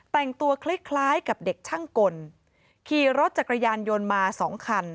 แต่งตัวคล้ายคล้ายกับเด็กช่างกลขี่รถจักรยานยนต์มาสองคัน